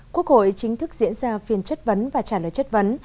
quốc hội chính thức diễn ra phiên chất vấn và trả lời chất vấn